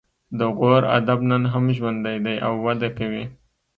د غور ادب نن هم ژوندی دی او وده کوي